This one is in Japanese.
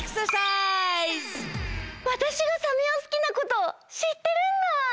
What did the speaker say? わたしがサメをすきなことしってるんだ！